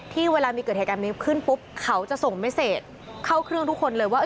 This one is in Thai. เวลามีเกิดเหตุการณ์นี้ขึ้นปุ๊บเขาจะส่งเมเศษเข้าเครื่องทุกคนเลยว่า